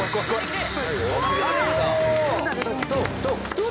どう？